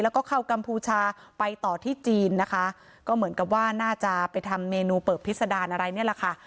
แล้วก็เข้ากัมพูชาไปต่อที่จีนนะคะก็เหมือนกับว่าน่าจะไปทำเมนูเปิบพิษดารอะไรเนี่ยแหละค่ะ